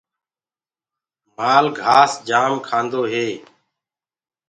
مآل گھآس جآم کآندو هي۔